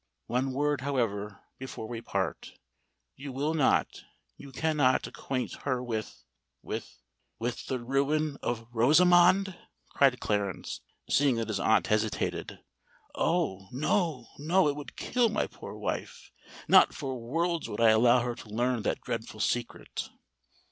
One word, however, before we part:—you will not—you can not acquaint her with—with——" "With the ruin of Rosamond!" cried Clarence, seeing that his aunt hesitated. "Oh! no—no: it would kill my poor wife! Not for worlds would I allow her to learn that dreadful secret!